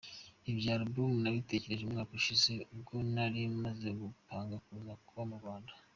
"Ibya Album nabitekereje umwaka ushize ubwo nari maze gupanga kuza kuba mu Rwanda.